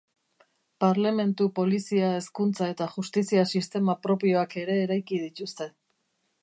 Parlementu, polizia, hezkuntza eta justizia sistema propioak ere eraiki dituzte.